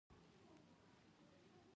د بشر د حقوقو خپلواک کمیسیون جوړول.